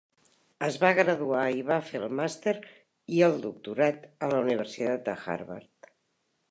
Es va graduar i va fer el màster i el doctorat a la Universitat de Harvard.